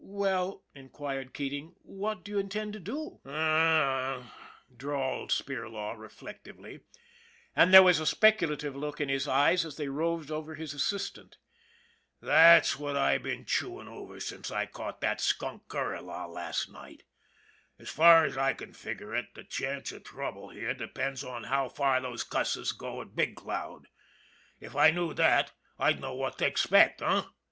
" Well," inquired Keating, " what do you intend to do?" " H'm m," drawled Spirlaw reflectively, and there was a speculative look in his eyes as they roved over his assistant. " That's what I've been chewin' over since I caught that skunk Kuryla last night. As far as I can figur' it the chance of trouble here depends on how far those cusses go at Big Cloud. If I knew that, I'd know what to expect, h'm